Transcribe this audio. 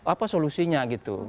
apa solusinya gitu